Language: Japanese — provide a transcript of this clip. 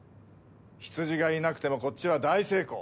ヒツジがいなくてもこっちは大成功。